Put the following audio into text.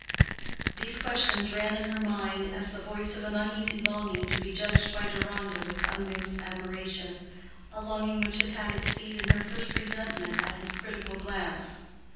These questions ran in her mind as the voice of an uneasy longing to be judged by Deronda with unmixed admiration—a longing which had had its seed in her first resentment at his critical glance.